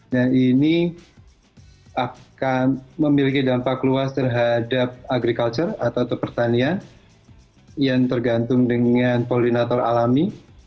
nah ini akan memiliki dampak luas terhadap agriculture atau pertanian yang tergantung dengan koordinator alami